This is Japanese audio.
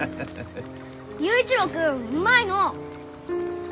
佑一郎君うまいのう。